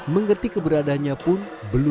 mengerti keberadanya pandemi